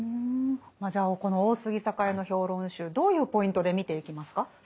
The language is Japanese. じゃあこの大杉栄の評論集どういうポイントで見ていきますか？